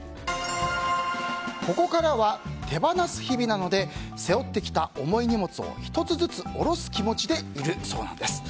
ここからは手放す日々なので背負ってきた重い荷物を１つずつ下ろす気持ちでいるそうなんです。